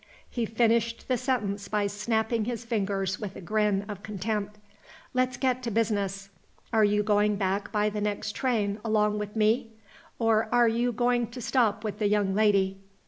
He finished the sentence by snapping his fingers with a grin of contempt. "Let's get to business. Are you going back by the next train along with me? or are you going to stop with the young lady?"